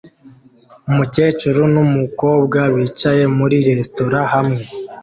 Umukecuru numukobwa bicaye muri resitora hamwe